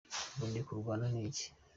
ubundi ndikurwana niki